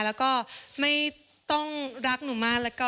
แล้วก็ไม่ต้องรักหนูมาก